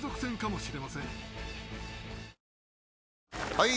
・はい！